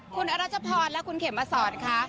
คุณอรัชพรและคุณเขมมาสอนค่ะ